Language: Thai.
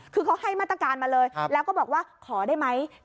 คือเขาให้มาตรการมาเลยแล้วก็บอกว่าขอได้ไหม